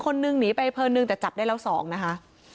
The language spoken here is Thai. คนนึงหนีไปอำเภอหนึ่งแต่จับได้แล้วสองนะคะ